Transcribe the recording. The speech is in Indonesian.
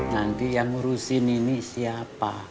nanti yang ngurusin ini siapa